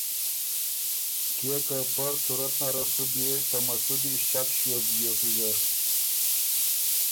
کيې که پۀ صورت نره سُو بيې ته مسُودی ݭک ݭیوک بیوک ویزر